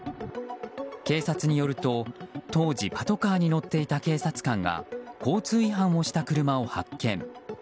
警察によると当時パトカーに乗っていた警察官が交通違反をした車を発見。